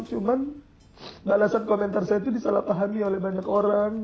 cuman balasan komentar saya itu disalahpahami oleh banyak orang